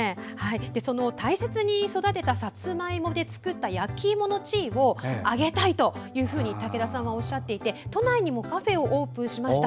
その大切に育てたさつまいもで作った焼きいもの地位を上げたいというふうに武田さんはおっしゃっていて都内にもカフェをオープンしました。